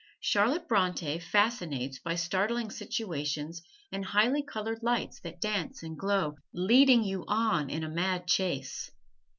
Charlotte Bronte fascinates by startling situations and highly colored lights that dance and glow, leading you on in a mad chase.